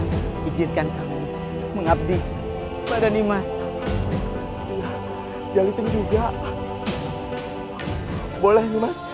hai ikan mengabdi pada nima jalur juga boleh